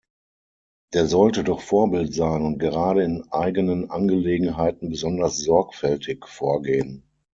Der sollte doch Vorbild sein und gerade in eigenen Angelegenheiten besonders sorgfältig vorgehen.